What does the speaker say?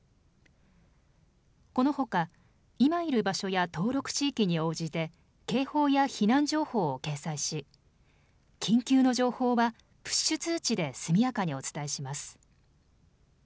このほか、今いる場所や登録地域に応じて警報や避難情報を掲載し緊急の情報はプッシュ通知で速やかにお伝えします。